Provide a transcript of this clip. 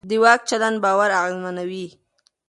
د واک چلند باور اغېزمنوي